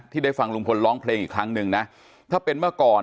ได้ฟังลุงพลร้องเพลงอีกครั้งหนึ่งนะถ้าเป็นเมื่อก่อน